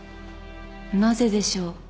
なぜでしょう？